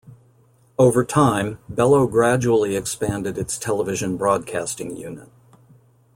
Over time, Belo gradually expanded its television broadcasting unit.